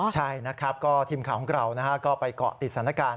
ใช่นะครับก็ทีมข่าวของเราก็ไปเกาะติดสถานการณ์